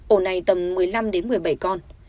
ổ này tầm một mươi năm đến một mươi bảy con